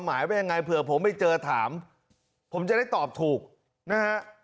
หมายว่ายังไงเผื่อผมไปเจอถามผมจะได้ตอบถูกนะฮะ